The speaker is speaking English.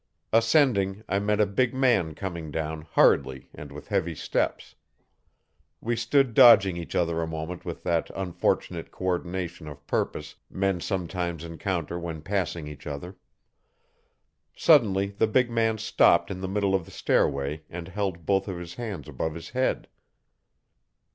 Ascending, I met a big man coming down, hurriedly, and with heavy steps. We stood dodging each other a moment with that unfortunate co ordination of purpose men sometimes encounter when passing each other. Suddenly the big man stopped in the middle of the stairway and held both of his hands above his head.